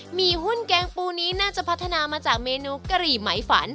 หุ่นแกงปูนี้น่าจะพัฒนามาจากเมนูกะหรี่ไหมฝัน